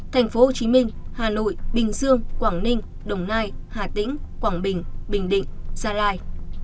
thành phố hồ chí minh hà nội bình dương quảng ninh đồng nai hà tĩnh quảng bình bình định gia lai